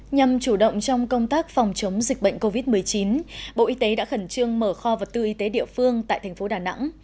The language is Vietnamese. nhằm chủ động trong công tác phòng chống dịch bệnh covid một mươi chín bộ y tế đã khẩn trương mở kho vật tư y tế địa phương tại thành phố đà nẵng